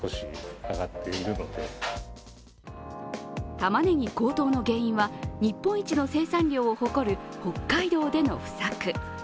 たまねぎ高騰の原因は日本一の生産量を誇る北海道での不作。